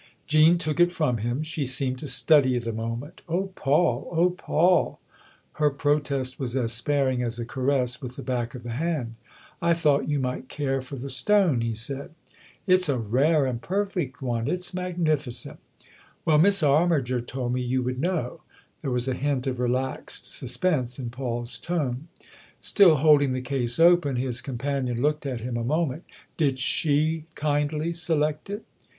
Jean took it from him she seemed to study it a moment. " Oh Paul, oh Paul !" her protest was as sparing as a caress with the back of the hand. " I thought you might care for the stone/' he said. " It's a rare and perfect one it's magnificent." " Well, Miss Armiger told me you would know." There was a hint of relaxed suspense in Paul's tone. Still holding the case open his companion looked at him a moment. " Did she kindly select it